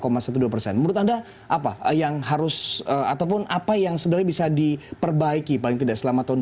menurut anda apa yang harus ataupun apa yang sebenarnya bisa diperbaiki paling tidak selama tahun dua ribu dua